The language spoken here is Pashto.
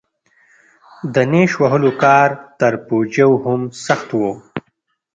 د نېش وهلو کار تر پوجيو هم سخت و.